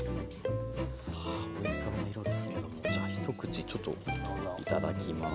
さあおいしそうな色ですけどもじゃあ一口ちょっといただきます。